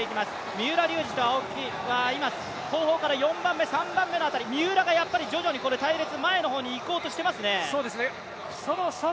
３回目の水濠を越えていきます、三浦龍司と、青木は今、後方から４番目、３番目の辺り、三浦が徐々に隊列前の方に行こうとしていますね。